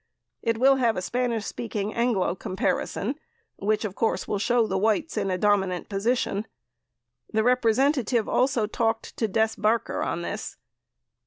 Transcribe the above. It will have a SS Anglo comparison which [of] course will show the Whites in a dominant position. The representative also talked to Des Barker on this.